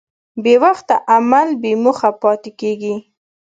بېوخته عمل بېموخه پاتې کېږي.